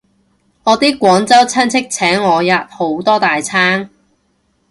我啲廣州親戚請我吔好多大餐